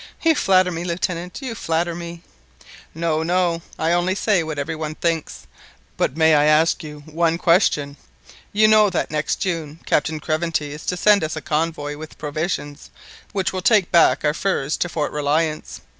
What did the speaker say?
"You flatter me, Lieutenant; you flatter me." "No, no; I only say what every one thinks. But may I ask you one question. You know that next June, Captain Craventy is to send us a convoy with provisions, which will take back our furs to Fort Reliance.